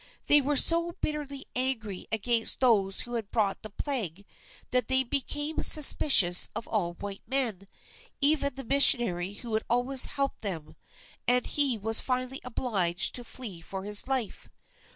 They were so bitterly angry against those who had brought the plague that they became suspicious of all white men, even the missionary who had always helped them, and he was finally obliged to flee for his life.